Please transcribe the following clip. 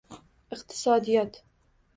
iqtisodiyot;